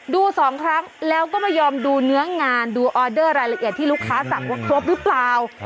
ดูสองครั้งแล้วก็ไม่ยอมดูเนื้องานดูออเดอร์รายละเอียดที่ลูกค้าสั่งว่าครบหรือเปล่า